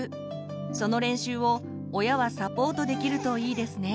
その練習を親はサポートできるといいですね。